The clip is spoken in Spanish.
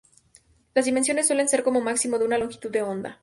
Las dimensiones suelen ser como máximo de una longitud de onda.